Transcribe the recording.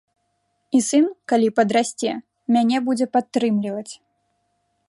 І сын, калі падрасце, мяне будзе падтрымліваць.